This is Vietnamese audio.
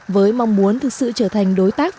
với mong muốn thực sự trở thành đối tác